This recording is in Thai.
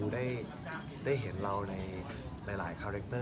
ไม่ได้ติดตามตลอดนะครับ